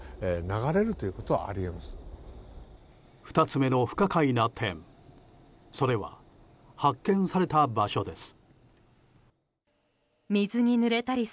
２つ目の不可解な点それは発見された場所です。